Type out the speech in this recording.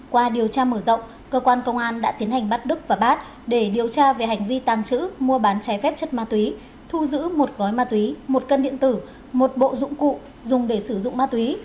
qua điều tra mở rộng cơ quan công an đã tiến hành bắt đức và bát để điều tra về hành vi tàng trữ mua bán trái phép chất ma túy thu giữ một gói ma túy một cân điện tử một bộ dụng cụ dùng để sử dụng ma túy